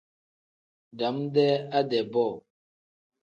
Dam-dee ade-bo.